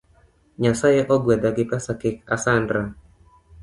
Nyasae ogwedha gi pesa kik asandra